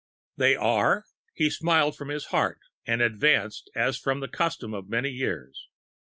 "They are?" he smiled from his heart, and advanced as from the custom of many years.